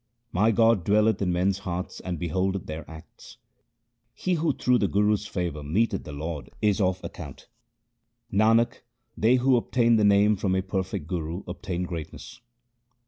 My God dwelleth in men's hearts and beholdeth their acts. He who through the Guru's favour meeteth the Lord is of account. Nanak, they who obtain the Name from a perfect Guru obtain greatness.